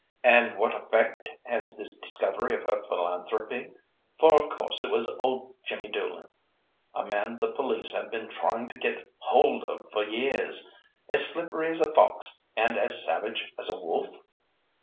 "And what effect had this discovery on her philanthropy, for of course it was old Jimmy Doolan—a man the police have been trying to get hold of for years—as slippery as a fox and as savage as a wolf?"